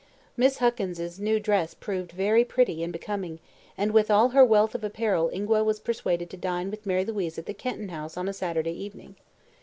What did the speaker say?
Miss Huckins' new dress proved very pretty and becoming, and with all her wealth of apparel Ingua was persuaded to dine with Mary Louise at the Kenton house on Saturday evening.